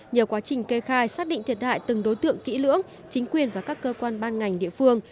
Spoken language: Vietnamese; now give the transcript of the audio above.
nhờ quá trình kê khai xác định thiệt hại từng đối tượng kỹ lưỡng chính quyền và các cơ quan ban ngành địa phương